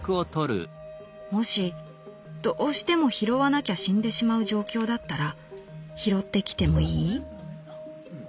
「『もしどうしても拾わなきゃ死んでしまう状況だったら拾って来てもいい？』